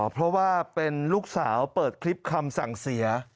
เพราะว่าเป็นลูกสาวเปิดคลิปคำสั่งเสีย